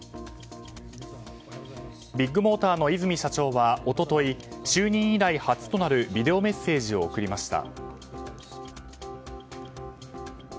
ビッグモーターの和泉社長は一昨日就任以来初となるビデオメッセージを送りました。